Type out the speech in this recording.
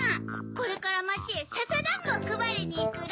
これからまちへささだんごをくばりにいくら！